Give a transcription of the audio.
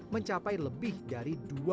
mencapai lebih dari dua mikron